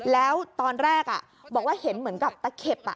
แล้วตอนแรกบอกว่าเห็นเหมือนกับตะเข็บ